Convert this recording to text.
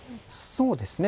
そうですね。